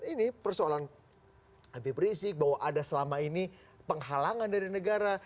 ini persoalan habib rizik bahwa ada selama ini penghalangan dari negara